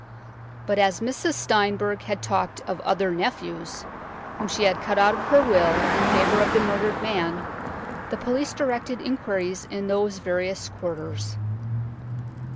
But as Mrs. Steinberg had talked of "other nephews," whom she had cut out of her will in favour of the murdered man, the police directed inquiries in those various quarters.